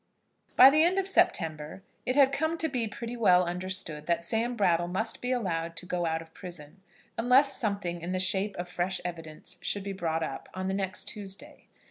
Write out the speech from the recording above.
By the end of September it had come to be pretty well understood that Sam Brattle must be allowed to go out of prison, unless something in the shape of fresh evidence should be brought up on the next Tuesday.